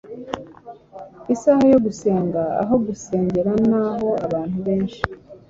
Isaha yo gusenga, aho basengera n’aho abantu benshi